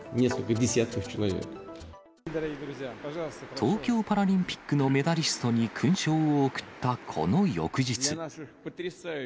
東京パラリンピックのメダリストに勲章を贈ったこの翌日。